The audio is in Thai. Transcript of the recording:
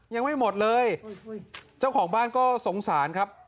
ยังไม่หมดเลยเจ้าของบ้านก็สงสารครับ